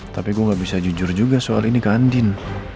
tapi gue gak bisa jujur juga soal ini kan din